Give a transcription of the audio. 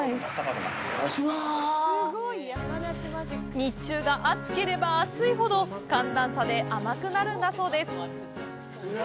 日中が暑ければ暑いほど寒暖差で甘くなるんだそうです。